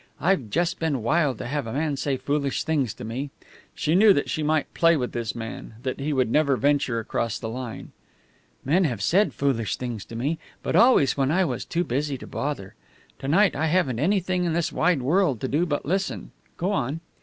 I've just been wild to have a man say foolish things to me." She knew that she might play with this man; that he would never venture across the line. "Men have said foolish things to me, but always when I was too busy to bother. To night I haven't anything in this wide world to do but listen. Go on."